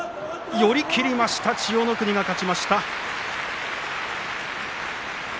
寄り切りました、千代の国の勝ち。